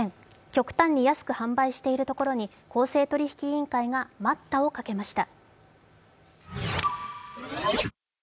極端に安く販売しているところに公正取引委員会が待ったをかけました。